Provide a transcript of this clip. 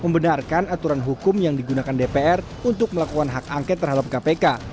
membenarkan aturan hukum yang digunakan dpr untuk melakukan hak angket terhadap kpk